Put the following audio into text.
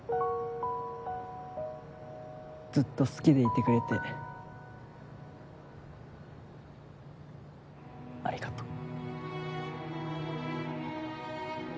ずっと好きでいてくれてありがとう。